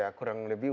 ya kurang lebih